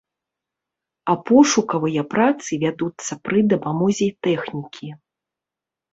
А пошукавыя працы вядуцца пры дапамозе тэхнікі.